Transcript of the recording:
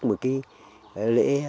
một cái lễ